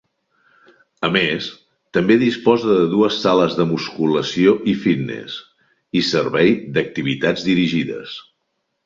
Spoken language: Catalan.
A més, també disposa de dues sales de musculació i Fitness; i servei d’Activitats Dirigides.